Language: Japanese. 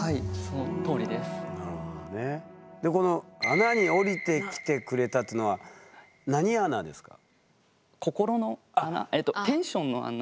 「穴に下りてきてくれた」っていうのは何穴ですか？